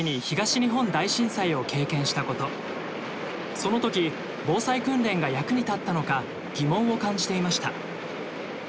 そのとき防災訓練が役に立ったのか疑問を感じていました。